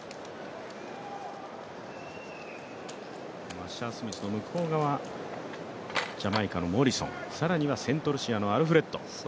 アッシャースミスの向こう側、ジャマイカのモリソン、更にはセントルシアのアルフレッド。